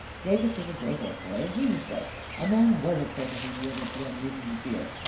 Davis was a great old boy, and he was right — a man was a traitor who yielded to unreasoning fear !